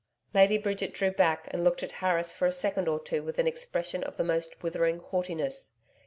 Lady Bridget drew back and looked at Harris for a second or two with an expression of the most withering haughtiness.